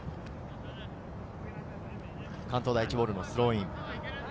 関東第一ボールのスローイン。